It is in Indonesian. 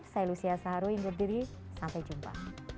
saya lucia saharwi ingat diri sampai jumpa